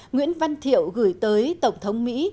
nguyễn văn thiệu gửi tới tổng thống mỹ